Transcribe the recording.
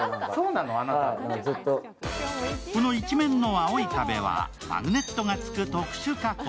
この一面の青い壁はマグネットが付く特殊加工。